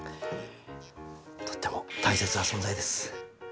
とっても大切な存在です。